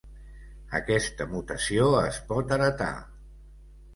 Aquesta mutació es pot heretar.